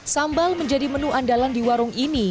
sambal menjadi menu andalan di warung ini